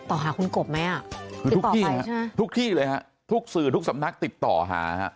ทุกสำนักติดต่อหา